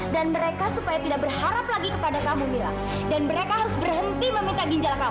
dan mereka supaya tidak berharap lagi kepada kamu mila dan mereka harus berhenti meminta ginjal kamu